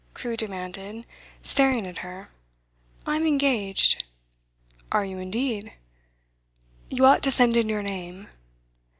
Crewe demanded, staring at her. 'I'm engaged.' 'Are you indeed?' 'You ought to send in your name.